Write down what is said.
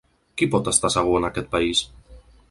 Qui pot estar segur en aquest país?